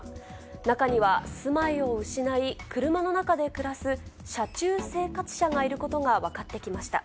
中には、住まいを失い、車の中で暮らす車中生活者がいることが分かってきました。